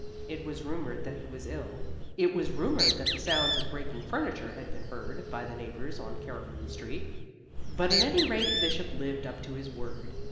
It was rumored that he was ill; it was rumored that the sounds of breaking furniture had been heard by the neighbors on Caraway Street. But at any rate the Bishop lived up to his word.